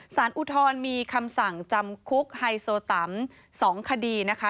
อุทธรณ์มีคำสั่งจำคุกไฮโซตัม๒คดีนะคะ